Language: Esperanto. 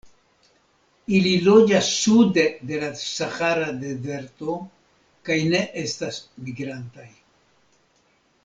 Ili loĝas sude de la Sahara Dezerto kaj ne estas migrantaj.